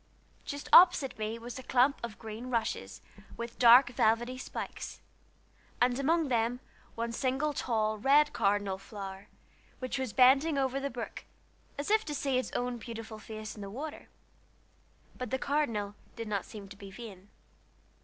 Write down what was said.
Just opposite me was a clump of green rushes, with dark velvety spikes, and among them one single tall, red cardinal flower, which was bending over the brook as if to see its own beautiful face in the water. But the cardinal did not seem to be vain.